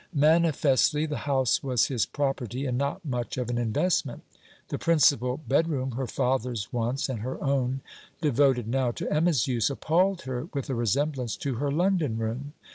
Manifestly the house was his property, and not much of an investment! The principal bed room, her father's once, and her own, devoted now to Emma's use, appalled her with a resemblance to her London room.